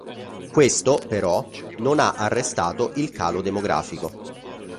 Questo, però, non ha arrestato il calo demografico.